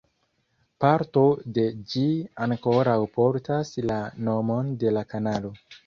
Parto de ĝi ankoraŭ portas la nomon de la kanalo.